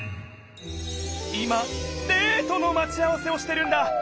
今デートのまち合わせをしてるんだ。